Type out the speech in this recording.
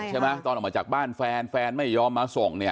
ใช่ไหมตอนออกมาจากบ้านแฟนแฟนไม่ยอมมาส่งเนี่ย